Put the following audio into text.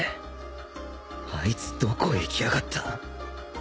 あいつどこへ行きやがった！？